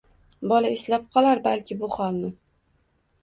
Bola eslab qolar balki bu holni.